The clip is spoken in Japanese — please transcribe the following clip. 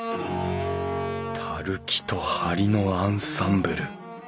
垂木と梁のアンサンブル。